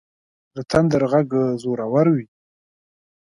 د تندر غږ زورور وي.